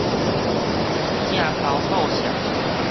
正剾倒削